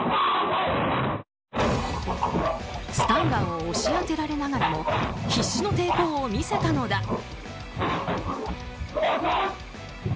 スタンガンを押し当てられながらも必死の抵抗を見せたのだ。